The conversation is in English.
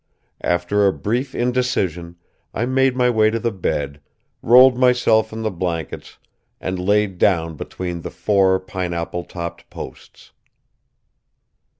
After a brief indecision, I made my way to the bed, rolled myself in the blankets, and laid down between the four pineapple topped posts.